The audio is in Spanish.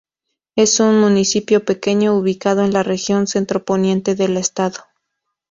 Es un municipio pequeño, ubicado en la región centro poniente del estado.